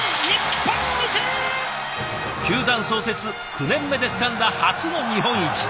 球団創設９年目でつかんだ初の日本一。